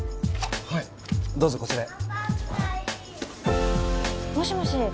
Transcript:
はいどうぞこちらへもしもし？